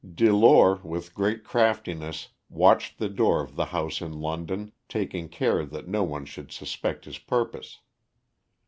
Delore with great craftiness watched the door of the house in London, taking care that no one should suspect his purpose.